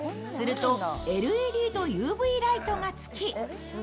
するとＬＥＤとＵＶライトがつき